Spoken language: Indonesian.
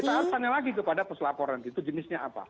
kita harus tanya lagi kepada peselaporan itu jenisnya apa